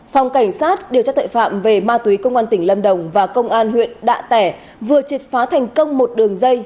phòng cảnh sát điều tra tội phạm về ma túy công an tỉnh lâm đồng và công an huyện đạ tẻ vừa triệt phá thành công một đường dây